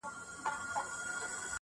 هغه دي مړه سي زموږ نه دي په كار.